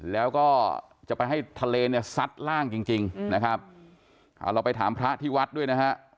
แล้วก็จะไปให้ทะเลเนี่ยซัดร่างจริงจริงนะครับเราไปถามพระที่วัดด้วยนะฮะ